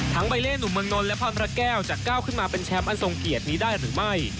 ใบเล่หนุ่มเมืองนนท์และพรพระแก้วจะก้าวขึ้นมาเป็นแชมป์อันทรงเกียรตินี้ได้หรือไม่